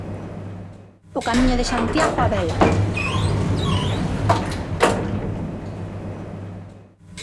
O Camiño de Santiago a vela.